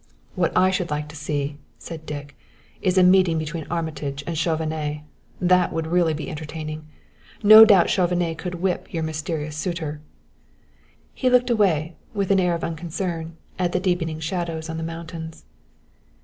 "What I should like to see," said Dick, "is a meeting between Armitage and Chauvenet. That would really be entertaining. No doubt Chauvenet could whip your mysterious suitor." He looked away, with an air of unconcern, at the deepening shadows on the mountains.